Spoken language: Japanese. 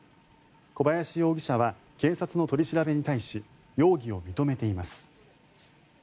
小林容疑者は警察の取り調べに対し容疑を認めています。